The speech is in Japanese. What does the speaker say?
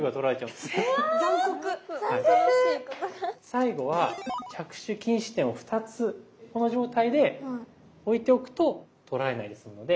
最後は着手禁止点を２つこの状態で置いておくと取られないですので。